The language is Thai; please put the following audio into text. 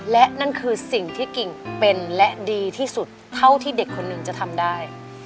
และนั่นคือสิ่งที่กิ่งเป็นและดีที่สุดเท่าที่เด็กคนหนึ่งจะทำได้